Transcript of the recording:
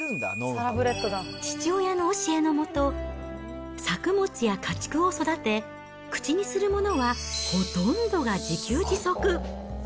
父親の教えの下、作物や家畜を育て、口にするものはほとんどが自給自足。